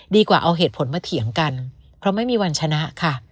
กว่าเอาเหตุผลมาเถียงกันเพราะไม่มีวันชนะค่ะ